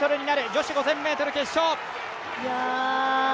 女子５０００ｍ決勝。